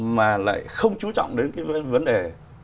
mà lại không chú trọng đến cái vấn đề